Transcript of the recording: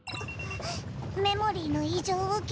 メモリーの異常を検知。